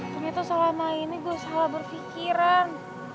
ternyata selama ini gue salah berpikiran